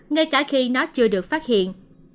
ngay cả khi nó chưa được phát hiện